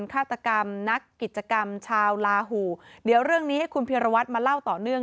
ฆาตกรรมนักกิจกรรมชาวลาหูเดี๋ยวเรื่องนี้ให้คุณพิรวัตรมาเล่าต่อเนื่อง